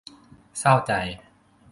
เศร้าใจ !